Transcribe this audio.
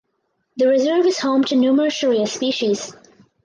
The reserve is home to numerous "Shorea" species.